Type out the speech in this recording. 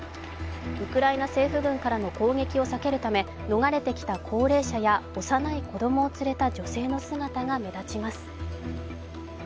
ウクライナ政府軍からの攻撃を避けるため逃れてきた高齢者や幼い子供を連れた女性の姿が目立ちます。